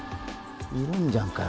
いるんじゃんかよ